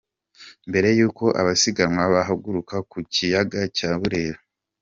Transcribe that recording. Mbere yuko abasiganwa bahaguruka ku kiyaga cya Burera.